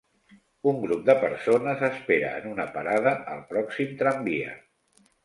Un grup de persones espera en una parada al pròxim tramvia